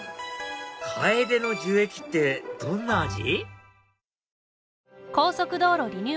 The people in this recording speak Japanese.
カエデの樹液ってどんな味？